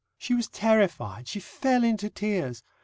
She was terrified; she fell into tears.